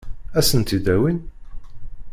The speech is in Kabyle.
Ad sent-t-id-awin?